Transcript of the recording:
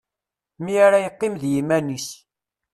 Mi ara yeqqim d yiman-is.